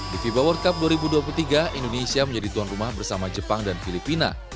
di fiba world cup dua ribu dua puluh tiga indonesia menjadi tuan rumah bersama jepang dan filipina